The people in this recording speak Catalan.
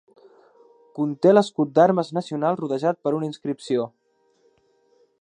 Conté l"escut d'armes nacional rodejat per una inscripció.